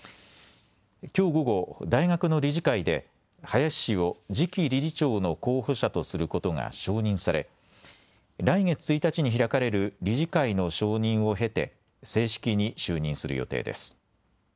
きょう午後、大学の理事会で林氏を次期理事長の候補者とすることが承認され来月１日に開かれる理事会の承認を経て正式に就任する予定です。